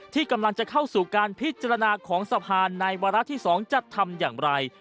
ที่กำลังจะเข้าสู่การพิจารณาของสภาในวาระที่๒จะทำอย่างไร